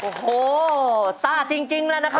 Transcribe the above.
โอ้โหซ่าจริงแล้วนะครับ